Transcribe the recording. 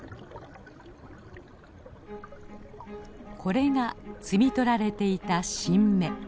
これが摘み取られていた新芽。